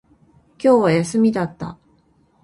今日は休みだった